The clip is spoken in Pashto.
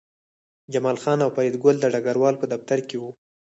جمال خان او فریدګل د ډګروال په دفتر کې وو